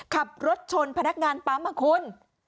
ขับรถชนพนักงานปั๊มอ่ะคุณ